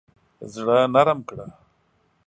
زړه نرم کړه.